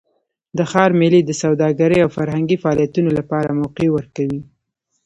د ښار میلې د سوداګرۍ او فرهنګي فعالیتونو لپاره موقع ورکوي.